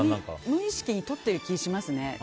無意識にとっている気がしますね。